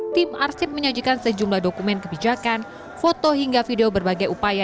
tim arsip menyajikan sejumlah dokumen kebijakan foto hingga video berbagai upaya